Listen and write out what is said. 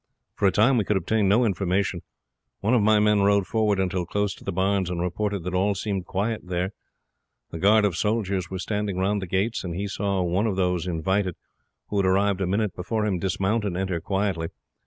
"For a time we could obtain no information. One of my men rode forward until close to the Barns, and reported that all seemed quiet there. A guard of soldiers were standing round the gates, and he saw one of those invited, who had arrived a minute before him, dismount and enter quietly.